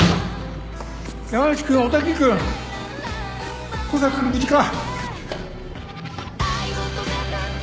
山内君小田切君香坂君無事か？